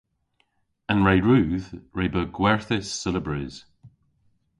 An re rudh re beu gwerthys seulabrys.